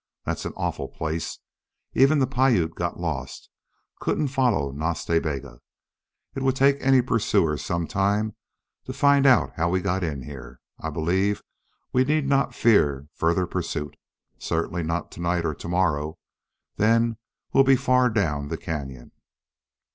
That's an awful place. Even the Piute got lost couldn't follow Nas Ta Bega. It would take any pursuers some time to find how we got in here. I believe we need not fear further pursuit. Certainly not to night or to morrow. Then we'll be far down the cañon."